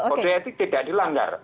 pekerjaan etik tidak dilanggar